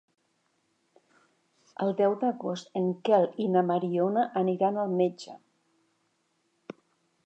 El deu d'agost en Quel i na Mariona aniran al metge.